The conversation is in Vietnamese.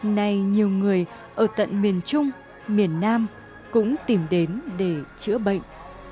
nay nhiều người ở tận miền trung miền nam cũng tìm đến để chữa bệnh